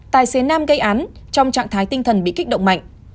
trong trạng thái tinh thần bị kích động mạnh